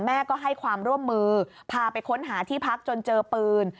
แม่ก็ให้ความร่วมมือพาไปค้นหาที่พักจนเจอปืน